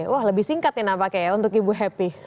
wah lebih singkat ya nama kayaknya untuk ibu happy